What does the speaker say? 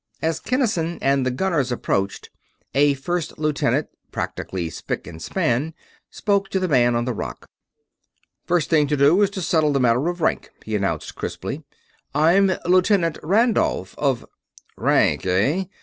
As Kinnison and the gunners approached, a first lieutenant practically spic and span spoke to the man on the rock. "First thing to do is to settle the matter of rank," he announced, crisply. "I'm First Lieutenant Randolph, of...." "Rank, eh?"